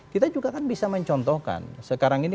kita juga kan bisa mencontohkan